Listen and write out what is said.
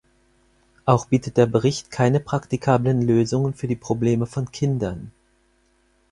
Auch bietet der Bericht keine praktikablen Lösungen für die Probleme von Kindern.